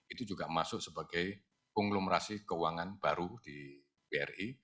itu juga masuk sebagai konglomerasi keuangan baru di bri